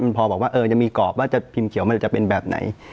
มันพอบอกว่าจะมีกรอบว่าจะพิมพ์เขียวมันจะเป็นแบบไหน